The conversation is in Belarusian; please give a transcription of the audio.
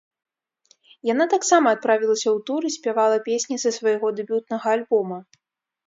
Яна таксама адправілася ў тур і спявала песні са свайго дэбютнага альбома.